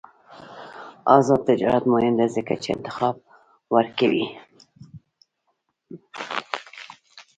آزاد تجارت مهم دی ځکه چې انتخاب ورکوي.